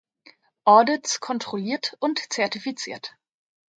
Audits kontrolliert und zertifiziert.